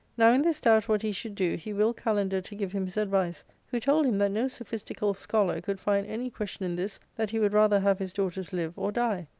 Now in this doubt what he should do he willed Kalander to give him his advice, who told him that no sophistical scholar could find any question in this, that he would rather have his daughters live or die.